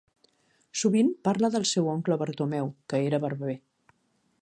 Sovint parla del seu oncle Bartomeu, que era barber.